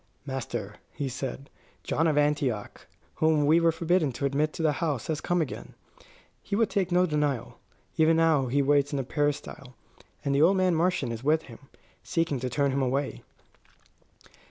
"Master," he said, "John of Antioch, whom we were forbidden to admit to the house, has come again. He would take no denial. Even now he waits in the peristyle; and the old man Marcion is with him, seeking to turn him away."